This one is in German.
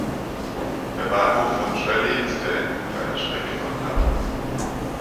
Der Bahnhof von Tralee ist der Endpunkt einer Strecke von Dublin.